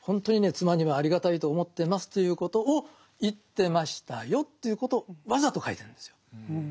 妻にはありがたいと思ってますということを言ってましたよということをわざと書いてるんですよ。